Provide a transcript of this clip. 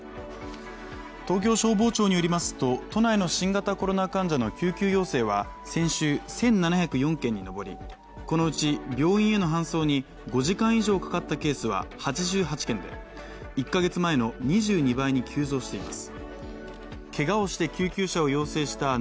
東京消防庁によりますと都内の新型コロナウイルスの救急要請は先週、１７０４件に上り、このうち病院への搬送に５時間以上かかったケースは８８件で、１カ月前の２２倍に急増しています。